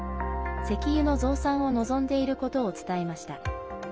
石油の増産を望んでいることを伝えました。